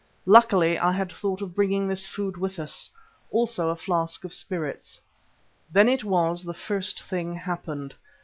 Luckily I had thought of bringing this food with us; also a flask of spirits. Then it was that the first thing happened.